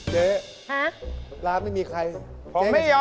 โปรดติดตามตอนต่อไป